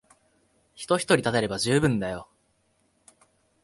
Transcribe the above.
人ひとり立てれば充分だよ。